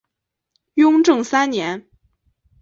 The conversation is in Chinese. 雍正三年。